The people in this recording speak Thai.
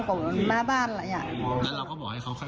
ค่อยไม่เงียบแล้วก็ติดต่อไป